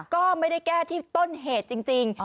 ก็ไม่ได้แก้ที่ต้นเหตุจริง